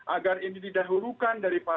agar ini didahurukan dari